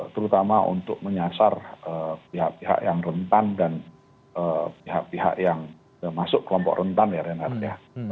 terutama untuk menyasar pihak pihak yang rentan dan pihak pihak yang masuk kelompok rentan ya renard ya